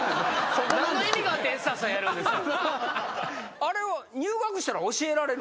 何の意味があってエッサッサやるんですか。